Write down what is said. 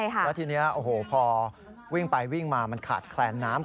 และที่นี้พอวิ่งไปลงมาจะขาดแขกน้ำ